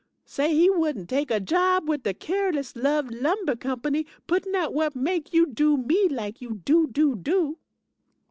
Says he wouldn't take a job wid de Careless Love Lumber Company, puttin' out whut make you do me lak you do, do, do.